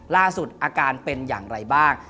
ล่าสุดอาการเป็นอย่างไรบ้าง